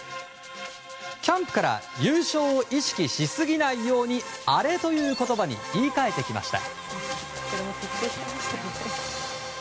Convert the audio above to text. キャンプから優勝を意識しすぎないようにアレという言葉に言い換えてきました。